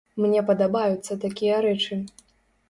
Мне падабаюцца такія рэчы.